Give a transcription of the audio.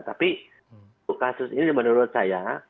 tapi kasus ini menurut saya